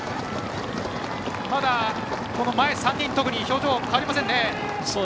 ただ、前３人特に表情変わりませんね。